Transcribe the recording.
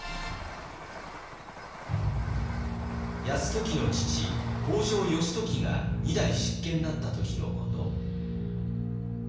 泰時の父北条義時が２代執権だった時のこと。